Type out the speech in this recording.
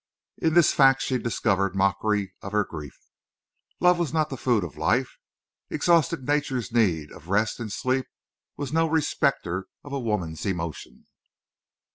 In this fact she discovered mockery of her grief. Love was not the food of life. Exhausted nature's need of rest and sleep was no respecter of a woman's emotion.